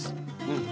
うん。